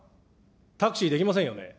タクシーできませんよね。